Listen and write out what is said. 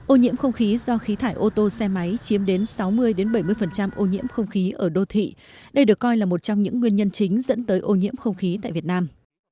ô nhiễm không khí do khí thải ô tô xe máy chiếm đến sáu mươi bảy mươi ô nhiễm không khí ở đô thị đây được coi là một trong những nguyên nhân chính dẫn tới ô nhiễm không khí tại việt nam